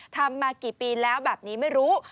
ทำมากี่ปีแล้วแบบนี้ไม่รู้